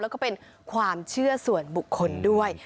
แล้วก็เป็นความเชื่อส่วนบุคคลด้วย